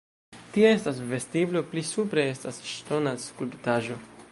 Tie estas vestiblo, pli supre estas ŝtona skulptaĵo.